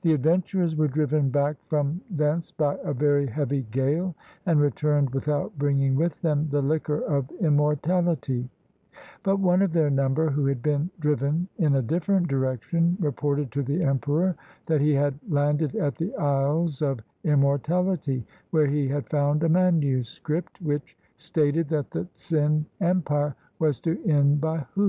The adventurers 43 CHINA were driven back from thence by a very heavy gale, and returned without bringing with them the liquor of immortality; but one of their number, who had been driven in a different direction, reported to the emperor that he had landed at the isles of immortality, where he had found a manuscript, which stated that the Tsin Empire was to end by *'Hoo."